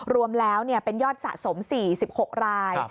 รวมแล้วเป็นยอดสะสม๔๖ราย